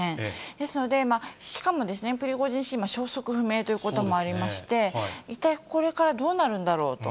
ですので、しかもプリゴジン氏、今、消息不明ということもありまして、一体これからどうなるんだろうと。